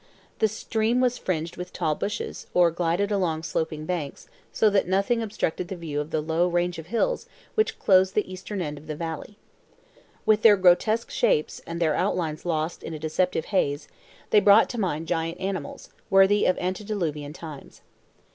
The stream was fringed with tall bushes, or glided along sloping banks, so that nothing obstructed the view of the low range of hills which closed the eastern end of the valley. With their grotesque shapes, and their outlines lost in a deceptive haze, they brought to mind giant animals, worthy of antediluvian times.